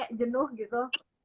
jangan jenuh gitu